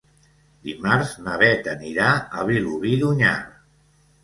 Dimarts na Beth anirà a Vilobí d'Onyar.